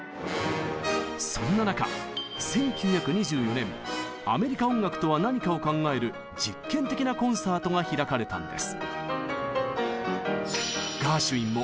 そんな中１９２４年「アメリカ音楽とは何か」を考える実験的なコンサートが開かれたんです。